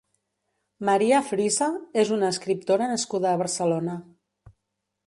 María Frisa és una escriptora nascuda a Barcelona.